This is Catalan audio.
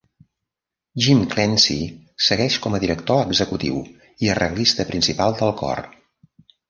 Jim Clancy segueix com a director executiu i arreglista principal del cor.